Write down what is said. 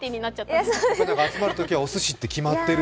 とにかく集まるときはおすしって決まっている。